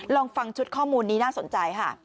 ลองฟังชุดข้อมูลนี้น่าสนใจค่ะ